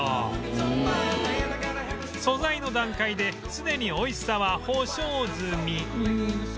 素材の段階ですでに美味しさは保証済み